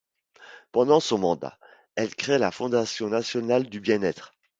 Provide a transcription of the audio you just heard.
Pendant son mandat, elle crée la Fondation nationale du Bien-Être.